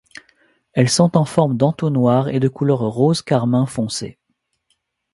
Elles sont en forme d'entonnoir et de couleur rose carmin foncé.